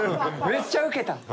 めっちゃウケた。